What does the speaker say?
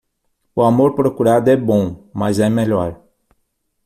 O amor procurado é bom, mas é melhor.